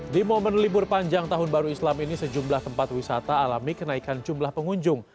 di momen libur panjang tahun baru islam ini sejumlah tempat wisata alami kenaikan jumlah pengunjung